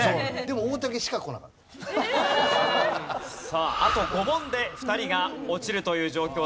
さああと５問で２人が落ちるという状況。